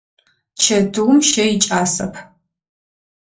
Чэтыум щэ икӏасэп.